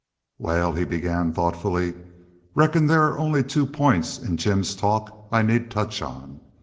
"Wal," he began, thoughtfully, "reckon there are only two points in Jim's talk I need touch on.